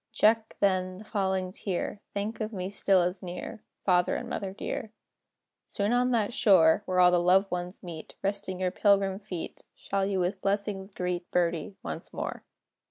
Check, then, the falling tear; Think of me still as near. Father and mother dear, Soon on that shore, Where all the loved ones meet, Resting your pilgrim feet, Shall you with blessings greet "Birdie" once more.